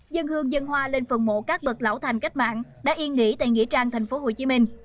dân hương dân hoa lên phần mộ các bậc lão thành cách mạng đã yên nghỉ tại nghĩa trang tp hcm